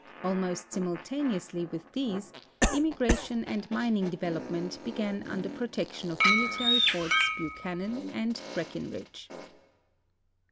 Almost simultaneously with these, immigration and mining development began under protection of military forts Buchanan and Breckinridge.